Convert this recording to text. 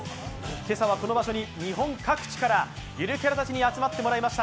今朝はこの場所に日本各地からゆるキャラたちに集まってもらいました。